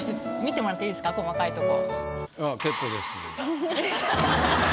細かいとこ。